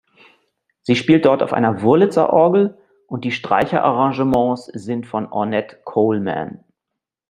Sie spielt dort auf der Wurlitzer-Orgel und die Streicher-Arrangements sind von Ornette Coleman.